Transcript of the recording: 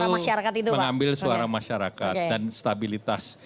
jadi golkar tentu mengambil suara masyarakat dan stabilitas